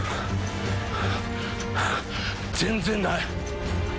全然ない。